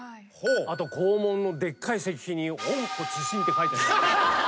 あと校門のでっかい石碑に温故知新って書いてある。